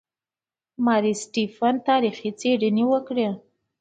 ماري سټیفن تاریخي څېړنې وکړې.